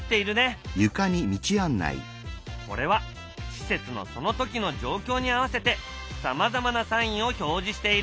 これは施設のその時の状況に合わせてさまざまなサインを表示している。